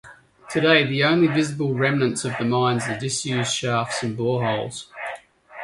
Today, the only visible remnants of the mines are disused shafts and boreholes.